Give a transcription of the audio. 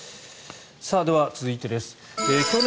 では、続いてです。